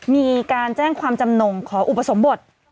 มีการแจ้งความจำนงขออุปสมบท